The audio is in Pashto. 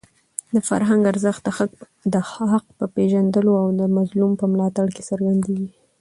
د فرهنګ ارزښت د حق په پېژندلو او د مظلوم په ملاتړ کې څرګندېږي.